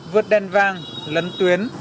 vượt đèn vàng lấn tuyến